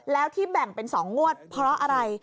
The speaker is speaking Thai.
แล้วที่แบ่งเป็น๒งวดเพราะอะไร